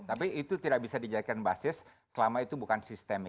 tapi itu tidak bisa dijadikan basis selama itu bukan sistemik